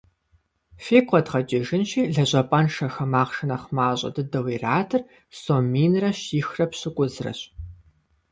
Фигу къэдгъэкӏыжынщи, лэжьапӏэншэхэм ахъшэ нэхъ мащӏэ дыдэу иратыр сом минрэ щихрэ пщӏыкӏузрэщ.